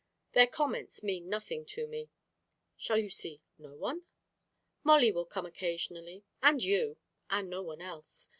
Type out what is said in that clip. Their comments mean nothing to me." "Shall you see no one?" "Molly will come occasionally, and you, no one else.